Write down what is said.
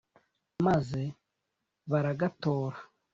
Maze baragatora